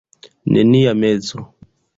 Nenia mezo.